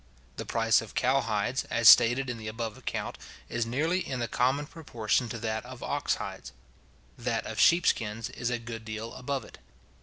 The price of cow hides, as stated in the above account, is nearly in the common proportion to that of ox hides. That of sheep skins is a good deal above it.